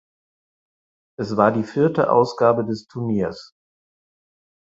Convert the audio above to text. Es war die vierte Ausgabe des Turniers.